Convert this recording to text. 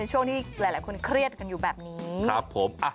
ช่วงที่หลายคนเครียดกันอยู่แบบนี้ครับผม